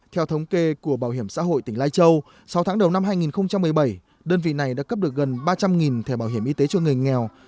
theo thống kê của bảo hiểm xã hội tỉnh lai châu sau tháng đầu năm hai nghìn một mươi bảy đơn vị này đã cấp được gần ba trăm linh thẻ bảo hiểm y tế cho người nghèo